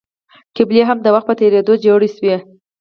قبیلې هم د وخت په تېرېدو جوړې شوې.